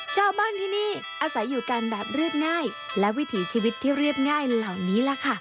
ชาวบ้านที่นี่อาศัยอยู่กันแบบเรียบง่ายและวิถีชีวิตที่เรียบง่ายเหล่านี้ล่ะค่ะ